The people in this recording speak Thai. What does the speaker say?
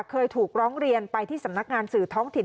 เคยถูกร้องเรียนไปที่สำนักงานสื่อท้องถิ่น